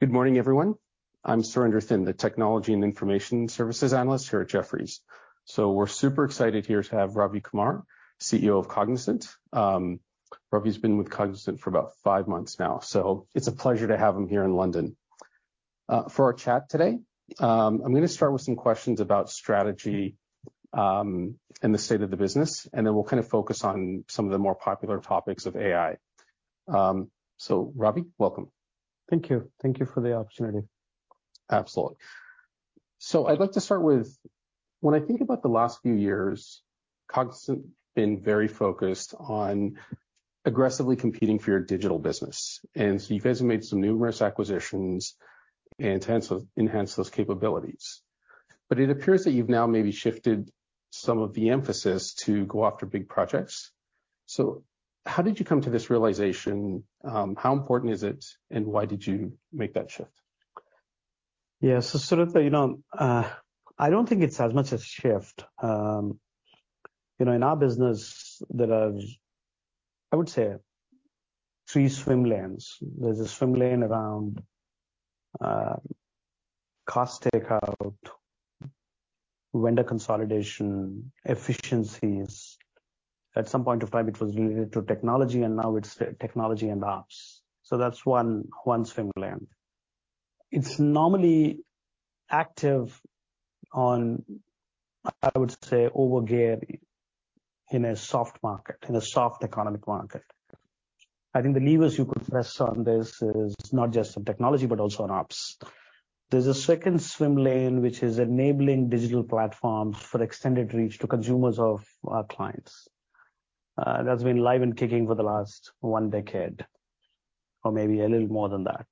Good morning, everyone. I'm Surinder Thind, the technology and information services analyst here at Jefferies. We're super excited here to have Ravi Kumar, CEO of Cognizant. Ravi's been with Cognizant for about five months now, so it's a pleasure to have him here in London. For our chat today, I'm gonna start with some questions about strategy, and the state of the business, and then we'll kind of focus on some of the more popular topics of AI. Ravi, welcome. Thank you. Thank you for the opportunity. Absolutely. I'd like to start with when I think about the last few years, Cognizant been very focused on aggressively competing for your digital business. You guys have made some numerous acquisitions and to enhance those capabilities. It appears that you've now maybe shifted some of the emphasis to go after big projects. How did you come to this realization? How important is it, and why did you make that shift? Surinder, you know, I don't think it's as much a shift. You know, in our business, there are, I would say, three swim lanes. There's a swim lane around cost takeout, vendor consolidation, efficiencies. At some point of time, it was related to technology, and now it's technology and ops, so that's one swim lane. It's normally active on, I would say, over gear in a soft market, in a soft economic market. I think the levers you could press on this is not just on technology, but also on ops. There's a second swim lane, which is enabling digital platforms for extended reach to consumers of our clients. That's been live and kicking for the last 1 decade or maybe a little more than that.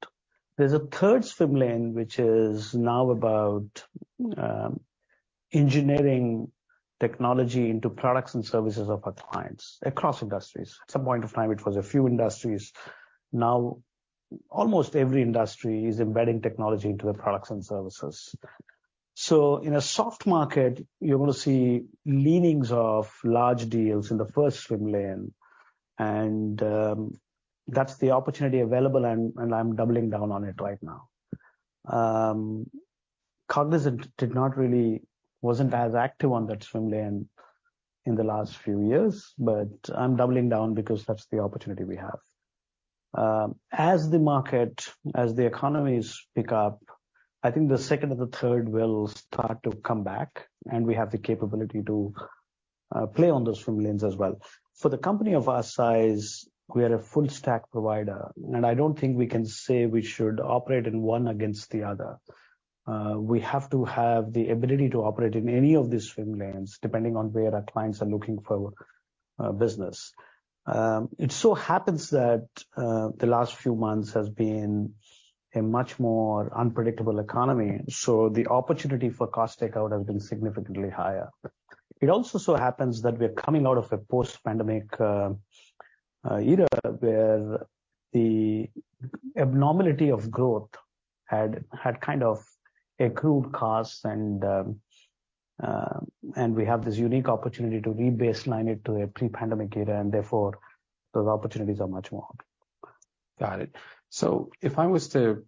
There's a third swim lane, which is now about engineering technology into products and services of our clients across industries. At some point of time, it was a few industries. Now, almost every industry is embedding technology into their products and services. In a soft market, you're gonna see leanings of large deals in the first swim lane, and that's the opportunity available, and I'm doubling down on it right now. Cognizant wasn't as active on that swim lane in the last few years, but I'm doubling down because that's the opportunity we have. As the market, as the economies pick up, I think the second or the third will start to come back, and we have the capability to play on those swim lanes as well. For the company of our size, we are a full-stack provider, and I don't think we can say we should operate in one against the other. We have to have the ability to operate in any of these swim lanes, depending on where our clients are looking for business. It so happens that the last few months has been a much more unpredictable economy, so the opportunity for cost takeout has been significantly higher. It also so happens that we're coming out of a post-pandemic era, where the abnormality of growth had kind of accrued costs, and we have this unique opportunity to rebaseline it to a pre-pandemic era, and therefore, those opportunities are much more. Got it. If I was to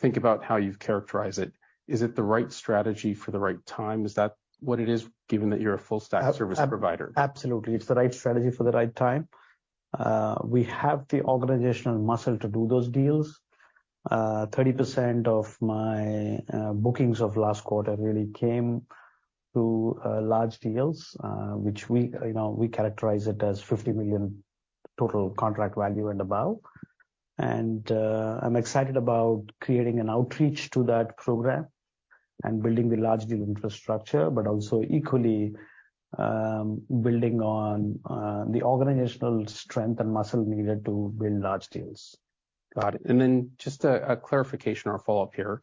think about how you've characterized it, is it the right strategy for the right time? Is that what it is, given that you're a full-stack service provider? Absolutely. It's the right strategy for the right time. We have the organizational muscle to do those deals. 30% of my bookings of last quarter really came through large deals, which we, you know, we characterize it as $50 million total contract value and above. I'm excited about creating an outreach to that program and building the large deal infrastructure, but also equally, building on the organizational strength and muscle needed to win large deals. Got it. Just a clarification or follow up here.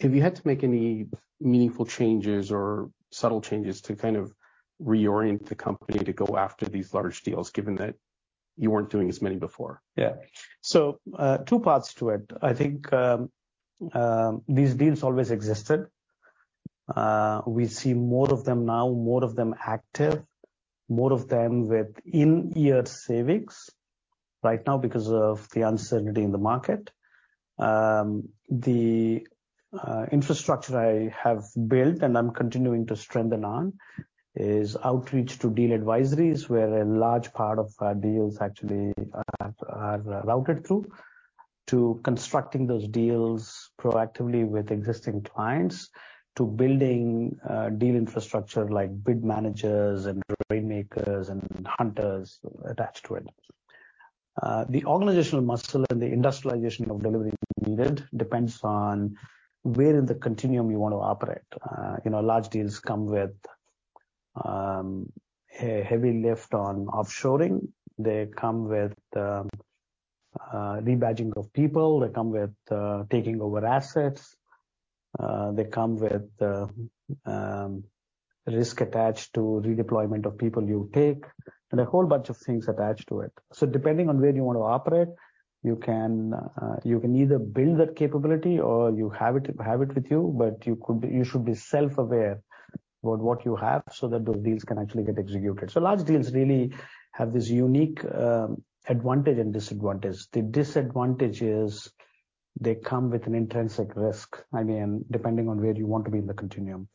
Have you had to make any meaningful changes or subtle changes to kind of reorient the company to go after these large deals, given that you weren't doing as many before? Two parts to it. I think these deals always existed. We see more of them now, more of them active, more of them with in-year savings right now because of the uncertainty in the market. The infrastructure I have built, and I'm continuing to strengthen on, is outreach to deal advisories, where a large part of our deals actually are routed through, to constructing those deals proactively with existing clients, to building deal infrastructure like bid managers and rainmakers and hunters attached to it. The organizational muscle and the industrialization of delivery needed depends on where in the continuum you want to operate. You know, large deals come with a heavy lift on offshoring. They come with rebadging of people. They come with taking over assets. They come with risk attached to redeployment of people you take, and a whole bunch of things attached to it. Depending on where you want to operate, you can either build that capability or you have it, have it with you, but you should be self-aware about what you have, so that those deals can actually get executed. Large deals really have this unique advantage and disadvantage. The disadvantage is they come with an intrinsic risk, I mean, depending on where you want to be in the continuum.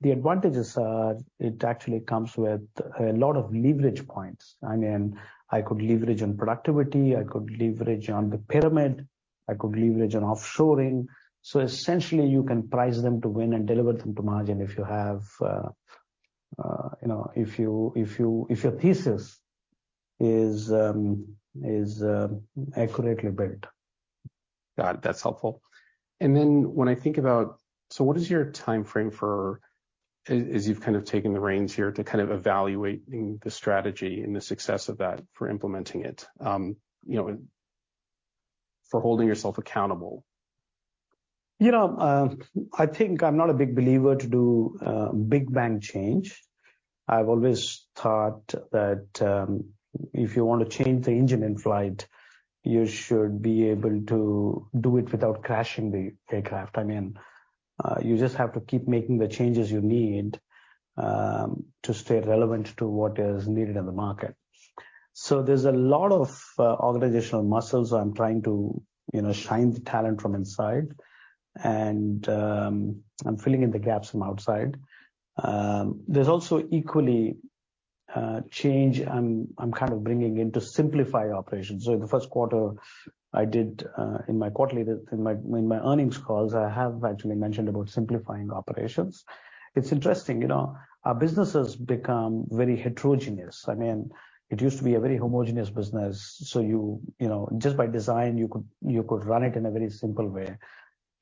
The advantages are it actually comes with a lot of leverage points. I mean, I could leverage on productivity, I could leverage on the pyramid, I could leverage on offshoring. Essentially, you can price them to win and deliver them to margin if you have, you know, if your thesis is accurately built. Got it. That's helpful. When I think about what is your time frame for, as you've kind of taken the reins here, to kind of evaluating the strategy and the success of that for implementing it, you know, for holding yourself accountable? You know, I think I'm not a big believer to do big bang change. I've always thought that if you want to change the engine in flight, you should be able to do it without crashing the aircraft. I mean, you just have to keep making the changes you need to stay relevant to what is needed in the market. There's a lot of organizational muscles I'm trying to, you know, shine the talent from inside, and I'm filling in the gaps from outside. There's also equally change I'm kind of bringing in to simplify operations. In the first quarter, I did in my earnings calls, I have actually mentioned about simplifying operations. It's interesting, you know, our business has become very heterogeneous. I mean, it used to be a very homogeneous business, so you know, just by design, you could run it in a very simple way.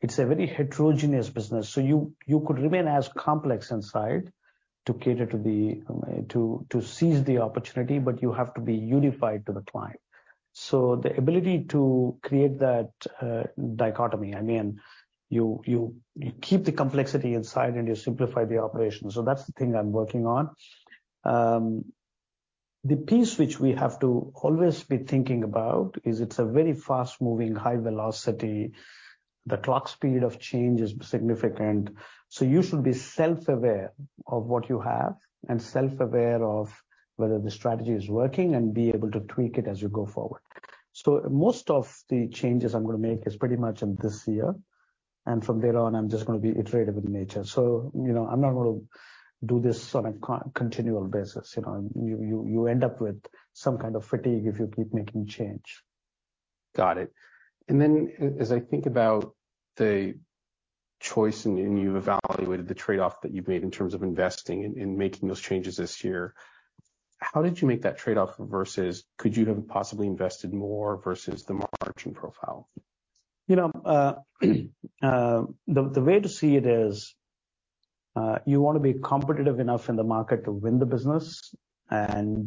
It's a very heterogeneous business, so you could remain as complex inside to cater to seize the opportunity, but you have to be unified to the client. The ability to create that dichotomy, I mean, you keep the complexity inside, and you simplify the operations. That's the thing I'm working on. The piece which we have to always be thinking about, is it's a very fast-moving, high velocity. The clock speed of change is significant, so you should be self-aware of what you have and self-aware of whether the strategy is working, and be able to tweak it as you go forward. Most of the changes I'm gonna make is pretty much in this year, and from there on, I'm just gonna be iterative in nature. you know, I'm not gonna do this on a continual basis, you know. You end up with some kind of fatigue if you keep making change. Got it. As I think about the choice, and you've evaluated the trade-off that you've made in terms of investing in making those changes this year, how did you make that trade-off versus could you have possibly invested more versus the margin profile? You know, the way to see it is, you want to be competitive enough in the market to win the business, then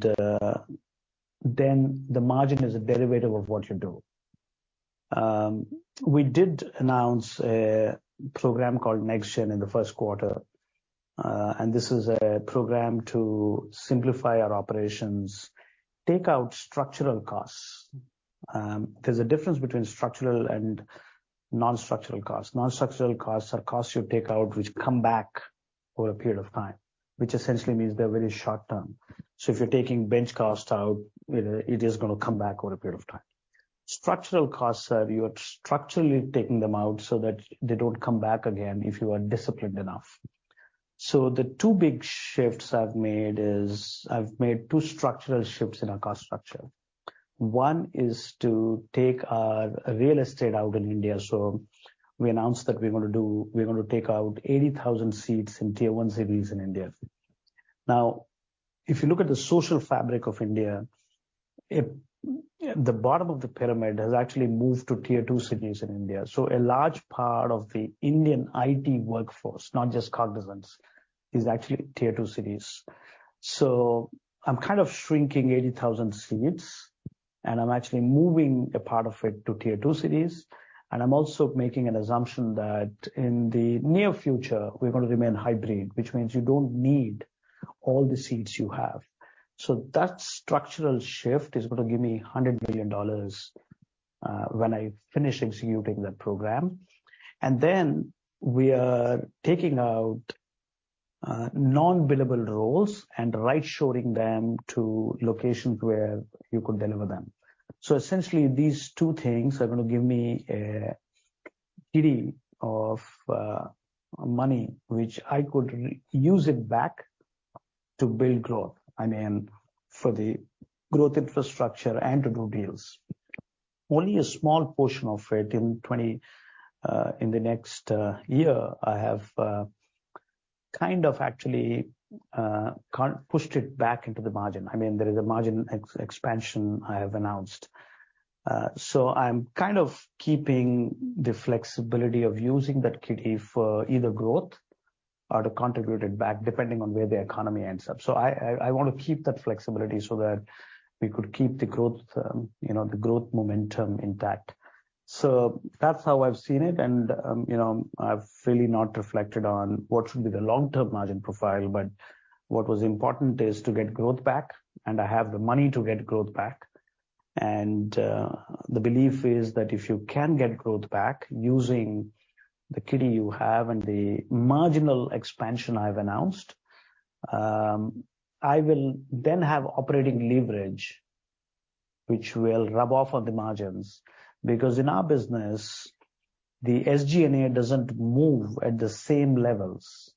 the margin is a derivative of what you do. We did announce a program called NextGen in the first quarter. This is a program to simplify our operations, take out structural costs. There's a difference between structural and non-structural costs. Non-structural costs are costs you take out, which come back over a period of time, which essentially means they're very short term. If you're taking bench costs out, it is gonna come back over a period of time. Structural costs are, you are structurally taking them out so that they don't come back again if you are disciplined enough. The two big shifts I've made is, I've made two structural shifts in our cost structure. One is to take our real estate out in India. We announced that we're gonna take out 80,000 seats in tier 1 cities in India. If you look at the social fabric of India, the bottom of the pyramid has actually moved to tier cities in India. A large part of the Indian IT workforce, not just Cognizant's, is actually tier 2 cities. I'm kind of shrinking 80,000 seats, and I'm actually moving a part of it to tier 2 cities, and I'm also making an assumption that in the near future, we're gonna remain hybrid, which means you don't need all the seats you have. That structural shift is gonna give me $100 billion when I finish executing that program. We are taking out non-billable roles and right shoring them to locations where you could deliver them. Essentially, these two things are gonna give me a kitty of money, which I could reuse it back to build growth, I mean, for the growth infrastructure and to do deals. Only a small portion of it in the next year, I have kind of actually pushed it back into the margin. I mean, there is a margin expansion I have announced. I'm kind of keeping the flexibility of using that kitty for either growth or to contribute it back, depending on where the economy ends up. I want to keep that flexibility so that we could keep the growth, you know, the growth momentum intact. That's how I've seen it, and, you know, I've really not reflected on what should be the long-term margin profile, but what was important is to get growth back, and I have the money to get growth back. The belief is that if you can get growth back using the kitty you have and the marginal expansion I've announced, I will then have operating leverage, which will rub off on the margins. Because in our business, the SG&A doesn't move at the same levels,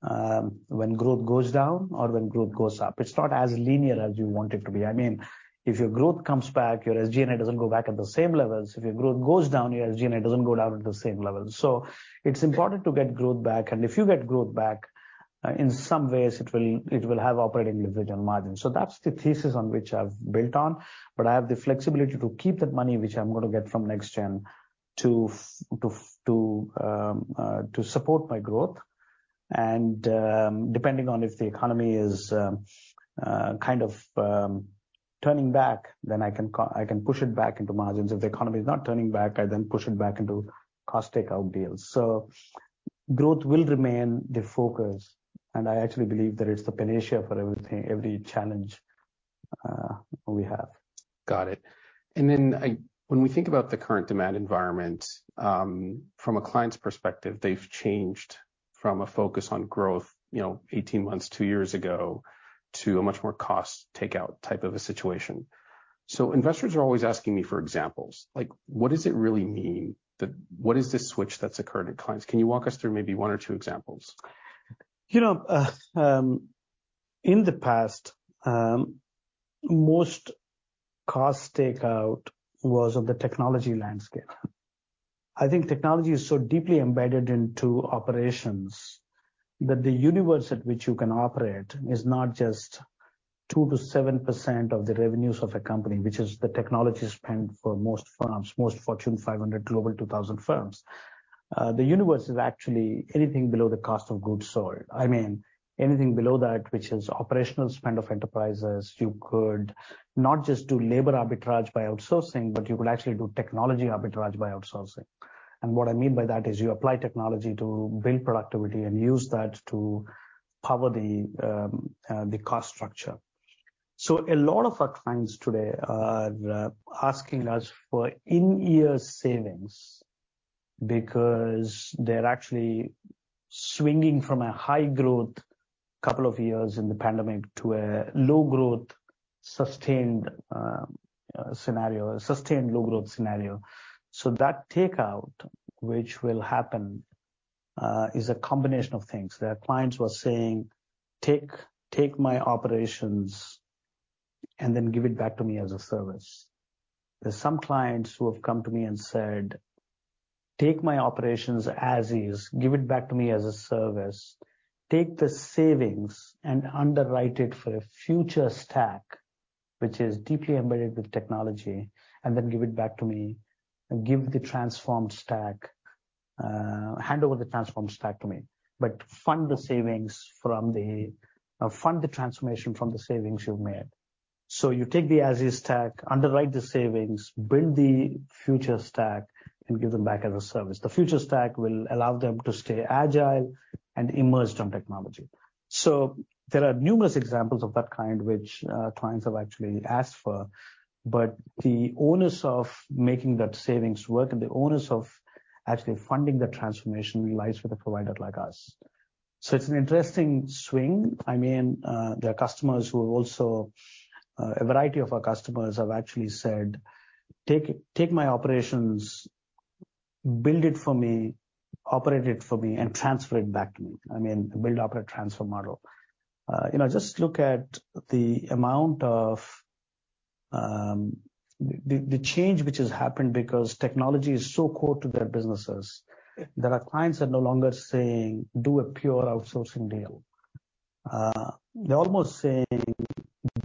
when growth goes down or when growth goes up. It's not as linear as you want it to be. I mean, if your growth comes back, your SG&A doesn't go back at the same levels. If your growth goes down, your SG&A doesn't go down at the same levels. It's important to get growth back, and if you get growth back, in some ways, it will, it will have operating leverage on margins. That's the thesis on which I've built on. I have the flexibility to keep that money, which I'm gonna get from NextGen, to support my growth. Depending on if the economy is kind of turning back, then I can push it back into margins. If the economy is not turning back, I then push it back into cost takeout deals. Growth will remain the focus, and I actually believe that it's the panacea for everything, every challenge we have. Got it. When we think about the current demand environment, from a client's perspective, they've changed from a focus on growth, you know, 18 months, 2 years ago, to a much more cost takeout type of a situation. Investors are always asking me for examples, like, "What does it really mean? What is this switch that's occurred in clients?" Can you walk us through maybe one or two examples? You know, in the past, most cost takeout was of the technology landscape. I think technology is so deeply embedded into operations, that the universe at which you can operate is not just 2%-7% of the revenues of a company, which is the technology spend for most firms, most Fortune 500, Global 2000 firms. The universe is actually anything below the cost of goods sold. I mean, anything below that, which is operational spend of enterprises. You could not just do labor arbitrage by outsourcing, but you could actually do technology arbitrage by outsourcing. What I mean by that, is you apply technology to build productivity and use that to power the cost structure. A lot of our clients today are asking us for in-year savings because they're actually swinging from a high growth couple of years in the pandemic to a low growth sustained scenario, a sustained low growth scenario. That takeout, which will happen, is a combination of things. Their clients were saying, "Take my operations and then give it back to me as a service." There's some clients who have come to me and said, "Take my operations as is, give it back to me as a service, take the savings and underwrite it for a future stack, which is deeply embedded with technology, and then give it back to me and give the transformed stack, hand over the transformed stack to me. Fund the savings from the... fund the transformation from the savings you've made." You take the as is stack, underwrite the savings, build the future stack, and give them back as a service. The future stack will allow them to stay agile and immersed on technology. There are numerous examples of that kind, which clients have actually asked for, but the onus of making that savings work and the onus of actually funding the transformation lies with a provider like us. It's an interesting swing. I mean, there are customers who have also, a variety of our customers have actually said, "Take, take my operations, build it for me, operate it for me, and transfer it back to me." I mean, build-operate-transfer model. You know, just look at the amount of... The change which has happened because technology is so core to their businesses, that our clients are no longer saying, "Do a pure outsourcing deal." They're almost saying,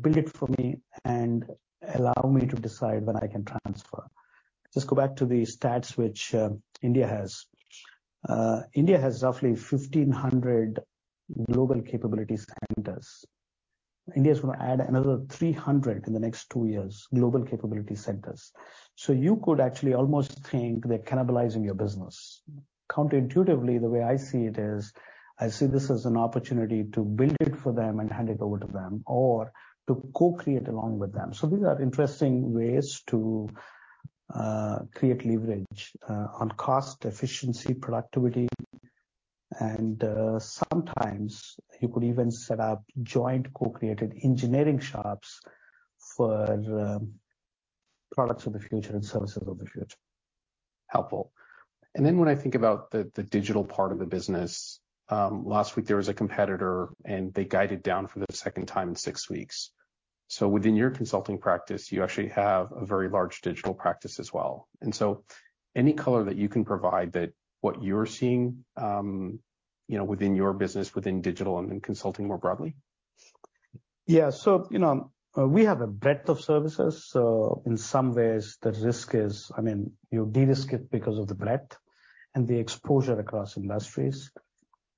"Build it for me and allow me to decide when I can transfer." Just go back to the stats which India has. India has roughly 1,500 Global Capability Centers. India is gonna add another 300 in the next two years, Global Capability Centers. You could actually almost think they're cannibalizing your business. Counterintuitively, the way I see it is, I see this as an opportunity to build it for them and hand it over to them or to co-create along with them. These are interesting ways to create leverage on cost, efficiency, productivity, and sometimes you could even set up joint co-created engineering shops for products of the future and services of the future. Helpful. When I think about the digital part of the business, last week, there was a competitor, and they guided down for the second time in six weeks. Within your consulting practice, you actually have a very large digital practice as well. Any color that you can provide that what you're seeing, you know, within your business, within digital and in consulting more broadly? You know, we have a breadth of services. In some ways, the risk is, I mean, you de-risk it because of the breadth and the exposure across industries.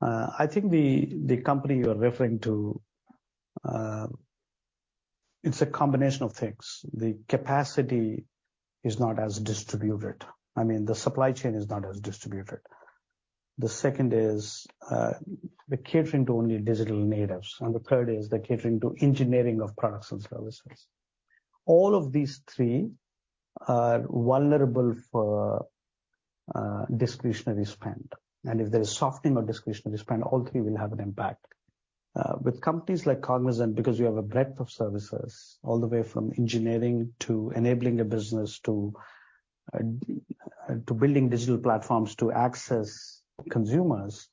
I think the company you're referring to, it's a combination of things. The capacity is not as distributed. I mean, the supply chain is not as distributed. The second is, the catering to only digital natives, and the third is the catering to engineering of products and services. All of these three are vulnerable for discretionary spend, and if there is softening of discretionary spend, all three will have an impact. With companies like Cognizant, because you have a breadth of services, all the way from engineering to enabling a business to building digital platforms to access consumers,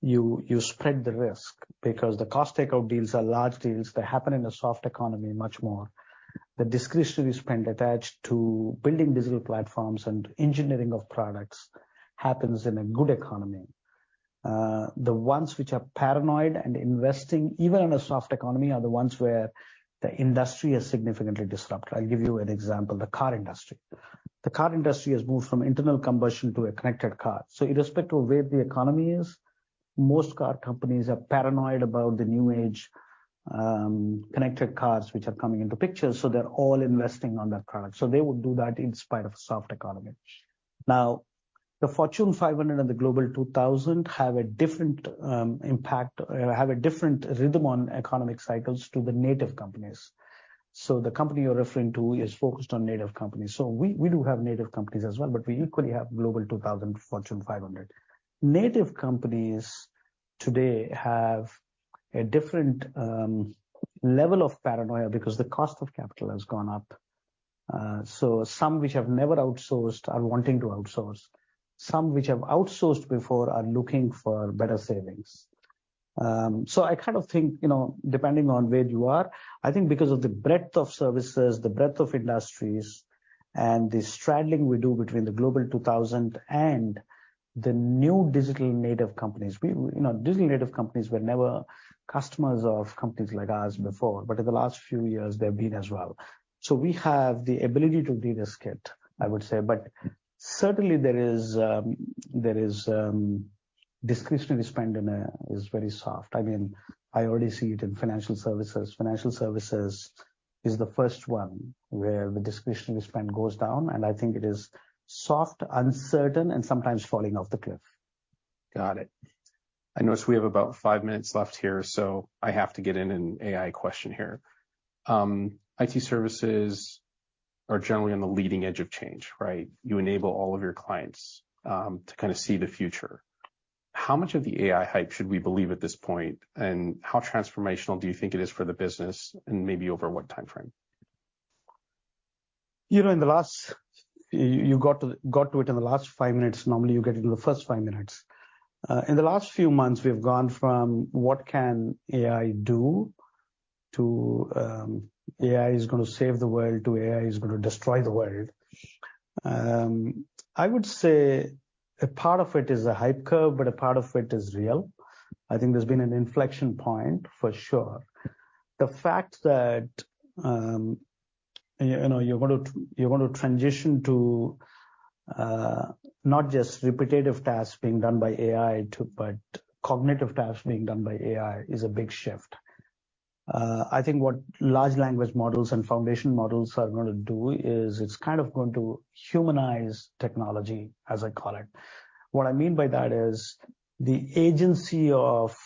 you spread the risk because the cost takeout deals are large deals. They happen in a soft economy much more. The discretionary spend attached to building digital platforms and engineering of products happens in a good economy. The ones which are paranoid and investing even in a soft economy, are the ones where the industry is significantly disrupted. I'll give you an example, the car industry. The car industry has moved from internal combustion to a connected car. Irrespective of where the economy is, most car companies are paranoid about the new age connected cars which are coming into picture, so they're all investing on that product. They would do that in spite of a soft economy. The Fortune 500 and the Global 2000 have a different impact, have a different rhythm on economic cycles to the native companies. The company you're referring to is focused on native companies. We do have native companies as well, but we equally have Global 2000, Fortune 500. Native companies today have a different level of paranoia because the cost of capital has gone up. Some which have never outsourced, are wanting to outsource. Some which have outsourced before, are looking for better savings. I kind of think, you know, depending on where you are, I think because of the breadth of services, the breadth of industries, and the straddling we do between the Global 2000 and the new digital native companies, you know, digital native companies were never customers of companies like ours before, but in the last few years, they've been as well. We have the ability to de-risk it I would say. Certainly there is discretionary spend is very soft. I mean, I already see it in financial services. Financial services is the first one where the discretionary spend goes down, I think it is soft, uncertain, and sometimes falling off the cliff. Got it. I notice we have about five minutes left here, so I have to get in an AI question here. IT services are generally on the leading edge of change, right? You enable all of your clients to kind of see the future. How much of the AI hype should we believe at this point, and how transformational do you think it is for the business, and maybe over what time frame? You know, you got to it in the last five minutes. Normally, you get it in the first 5 minutes. In the last few months, we've gone from what can AI do, to AI is gonna save the world, to AI is gonna destroy the world. I would say a part of it is a hype curve, a part of it is real. I think there's been an inflection point for sure. The fact that, you know, you're going to transition to not just repetitive tasks being done by AI, but cognitive tasks being done by AI is a big shift. I think what Large Language Models and Foundation Models are gonna do is it's kind of going to humanize technology, as I call it. What I mean by that is the agency of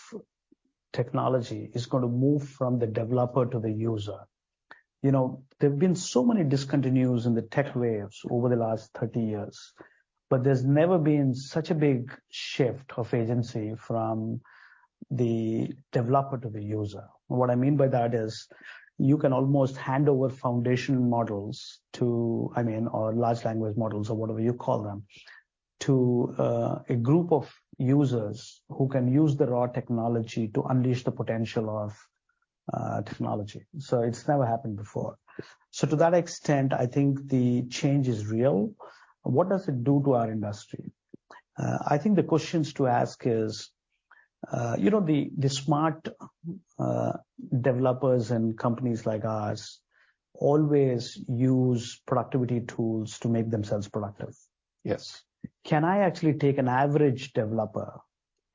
technology is gonna move from the developer to the user. You know, there have been so many discontinues in the tech waves over the last 30 years, but there's never been such a big shift of agency from the developer to the user. What I mean by that is you can almost hand over foundation models to, or large language models or whatever you call them, to a group of users who can use the raw technology to unleash the potential of technology. It's never happened before. To that extent, I think the change is real. What does it do to our industry? I think the questions to ask is, you know, the smart developers and companies like ours always use productivity tools to make themselves productive. Yes. Can I actually take an average developer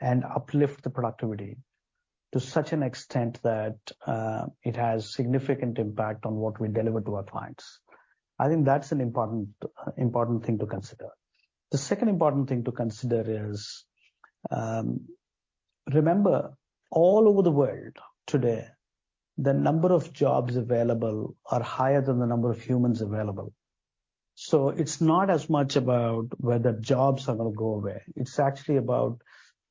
and uplift the productivity to such an extent that it has significant impact on what we deliver to our clients? I think that's an important thing to consider. The second important thing to consider is, remember, all over the world today, the number of jobs available are higher than the number of humans available. It's not as much about whether jobs are gonna go away, it's actually about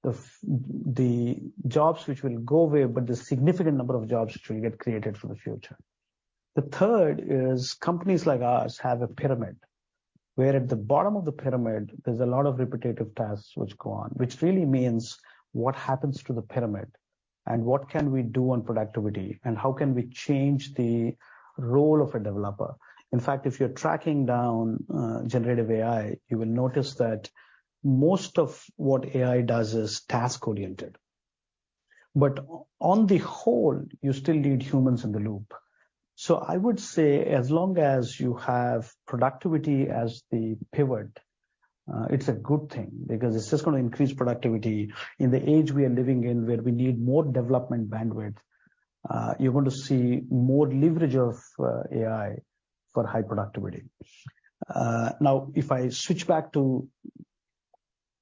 the jobs which will go away, but the significant number of jobs which will get created for the future. The third is, companies like ours have a pyramid, where at the bottom of the pyramid, there's a lot of repetitive tasks which go on, which really means what happens to the pyramid, and what can we do on productivity, and how can we change the role of a developer? In fact, if you're tracking down generative AI, you will notice that most of what AI does is task-oriented. On the whole, you still need humans in the loop. I would say, as long as you have productivity as the pivot, it's a good thing because it's just gonna increase productivity. In the age we are living in where we need more development bandwidth, you're going to see more leverage of AI for high productivity. If I switch back to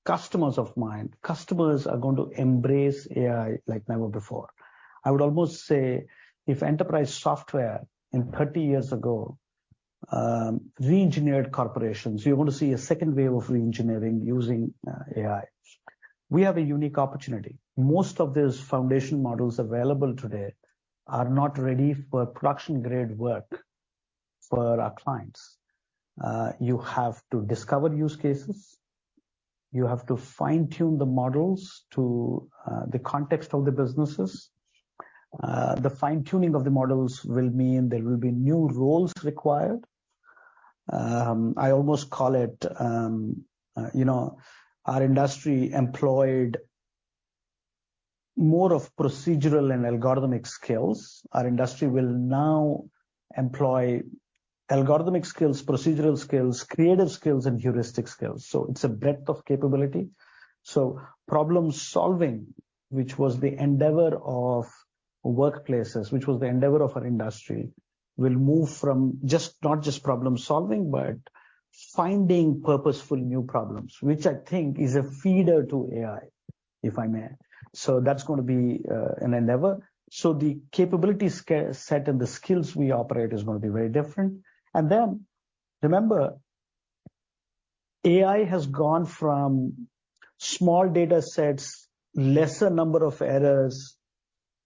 customers of mind, customers are going to embrace AI like never before. I would almost say if enterprise software in 30 years ago, reengineered corporations, you're going to see a second wave of reengineering using AI. We have a unique opportunity. Most of those foundation models available today are not ready for production grade work for our clients. You have to discover use cases. You have to fine-tune the models to the context of the businesses. The fine-tuning of the models will mean there will be new roles required. I almost call it, you know, our industry employed more of procedural and algorithmic skills. Our industry will now employ algorithmic skills, procedural skills, creative skills, and heuristic skills. It's a breadth of capability. Problem-solving, which was the endeavor of workplaces, which was the endeavor of our industry, will move from not just problem-solving, but finding purposeful new problems, which I think is a feeder to AI, if I may. That's going to be an endeavor. The capability skill set and the skills we operate is going to be very different. Then, remember, AI has gone from small data sets, lesser number of errors,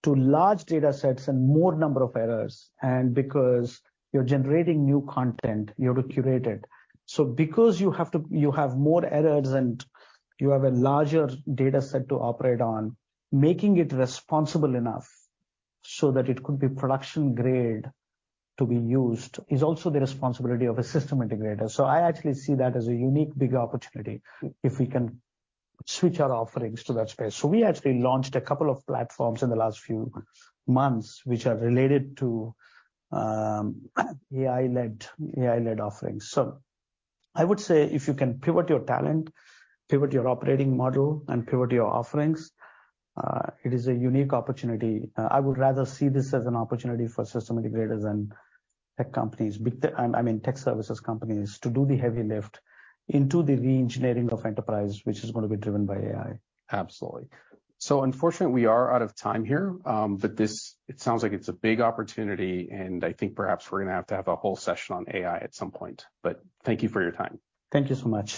to large data sets and more number of errors, and because you're generating new content, you have to curate it. Because you have more errors, and you have a larger data set to operate on, making it responsible enough so that it could be production grade to be used is also the responsibility of a system integrator. I actually see that as a unique, big opportunity if we can switch our offerings to that space. We actually launched a couple of platforms in the last few months which are related to AI-led offerings. I would say if you can pivot your talent, pivot your operating model, and pivot your offerings, it is a unique opportunity. I would rather see this as an opportunity for system integrators and tech companies, I mean, tech services companies, to do the heavy lift into the reengineering of enterprise, which is going to be driven by AI. Absolutely. Unfortunately, we are out of time here. This, it sounds like it's a big opportunity, and I think perhaps we're gonna have to have a whole session on AI at some point. Thank you for your time. Thank you so much.